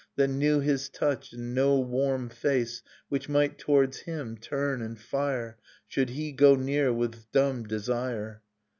That knew his touch, and no warm face Which might towards him turn and fire Should he go near witli dumb desire.